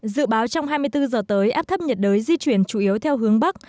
dự báo trong hai mươi bốn giờ tới áp thấp nhiệt đới di chuyển chủ yếu theo hướng bắc